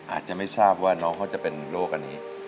อาจจะไม่ทราบว่าน้องเขาจะเป็นโรคอันนี้